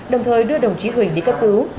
đồng thời đưa đồng chí huỳnh đi cấp cứu